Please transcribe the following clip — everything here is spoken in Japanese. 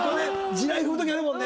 地雷踏む時あるもんね。